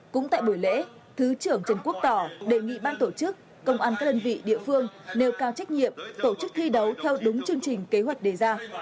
cũng tại buổi lễ thứ trưởng trần quốc tỏ đề nghị ban tổ chức công an các đơn vị địa phương nêu cao trách nhiệm tổ chức thi đấu theo đúng chương trình kế hoạch đề ra